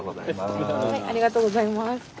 ありがとうございます。